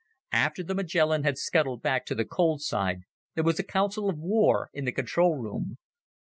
After the Magellan had scuttled back to the cold side, there was a council of war in the control room.